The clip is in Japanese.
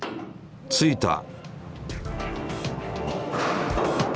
着いた！